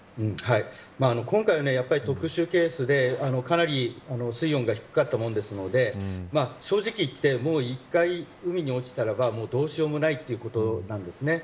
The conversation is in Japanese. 今回は特殊ケースでかなり水温が低かったものですので正直言ってもう、一回海に落ちたらばどうしようもないということなんです。